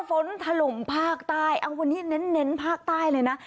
ถล่มภาคใต้เอาวันนี้เน้นภาคใต้เลยนะ